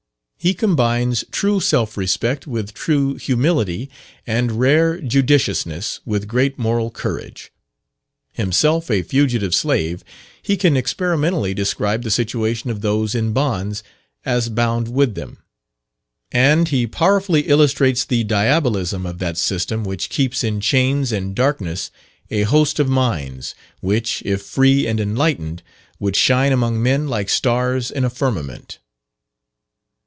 He combines true self respect with true humility, and rare judiciousness with great moral courage. Himself a fugitive slave, he can experimentally describe the situation of those in bonds as bound with them; and he powerfully illustrates the diabolism of that system which keeps in chains and darkness a host of minds, which, if free and enlightened, would shine among men like stars in a firmament."